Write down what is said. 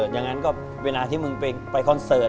อย่างนั้นก็เวลาที่มึงไปคอนเสิร์ต